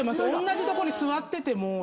おんなじとこに座ってても。